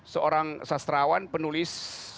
seorang sastrawan penulis